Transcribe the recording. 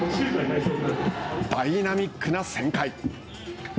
ダイナミックな旋回。